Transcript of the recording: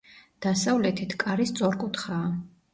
დასავლეთით, კარი სწორკუთხაა.